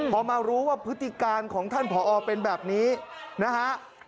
พอมารู้ว่าพฤติการของท่านผอเป็นแบบนี้นะฮะ